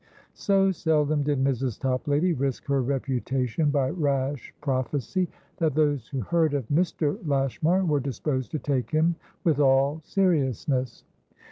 So seldom did Mrs. Toplady risk her reputation by rash prophecy, that those who heard of Mr. Lashmar were disposed to take him with all seriousness.